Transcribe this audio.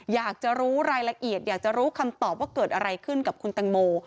อยากจะรู้รายละเอียดอยากจะรู้คำตอบว่าเกิดอะไรขึ้นกับคุณตังโม